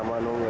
lama nunggu ya